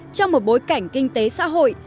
trong một bối cảnh kinh tế xã hội